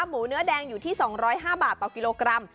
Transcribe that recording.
หมูเนื้อแดงอยู่ที่๒๐๕บาทต่อกิโลกรัม